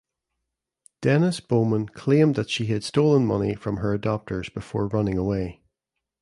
Dennis Bowman claimed that she had stolen money from her adopters before running away.